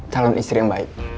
calon istri yang baik